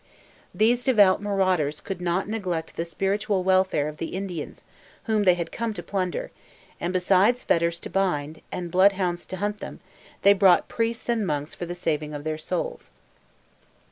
These devout marauders could not neglect the spiritual welfare of the Indians whom they had come to plunder; and besides fetters to bind, and bloodhounds to hunt them, they brought priests and monks for the saving of their souls.